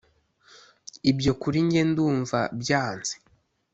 ibyo kuri njye ndumva mbyanze